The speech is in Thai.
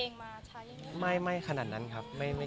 ก็มีไปคุยกับคนที่เป็นคนแต่งเพลงแนวนี้